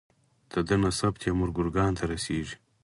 د ده نسب تیمور ګورکان ته رسیږي.